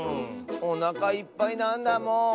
おなかいっぱいなんだもん！